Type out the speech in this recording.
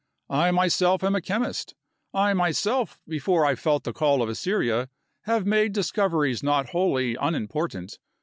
I myself am a chemist. I myself, before I felt the call of Assyria, have made discoveries not wholly unimportant.